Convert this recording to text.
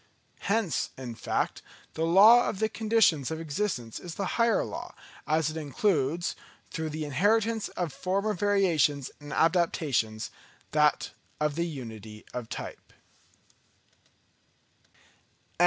Hence, in fact, the law of the Conditions of Existence is the higher law; as it includes, through the inheritance of former variations and adaptations, that of Unity of Type.